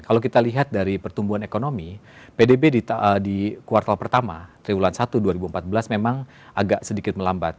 kalau kita lihat dari pertumbuhan ekonomi pdb di kuartal pertama triwulan satu dua ribu empat belas memang agak sedikit melambat